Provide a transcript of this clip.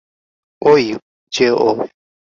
ওই যে ও!